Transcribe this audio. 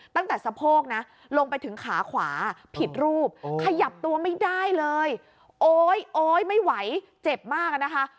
สะโพกนะลงไปถึงขาขวาผิดรูปขยับตัวไม่ได้เลยโอ๊ยโอ๊ยไม่ไหวเจ็บมากอะนะคะ